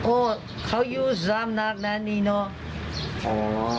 โอ้เขาอยู่สำนักนั้นนี่เนาะ